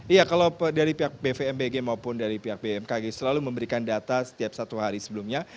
iya kalau dari pihak bvmbg maupun dari pihak bmkg selalu memberikan data setiap satu hari sebelumnya